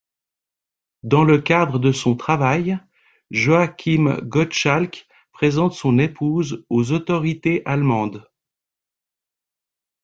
Dans le cadre de son travail, Joachim Gottschalk présente son épouse aux autorités allemandes.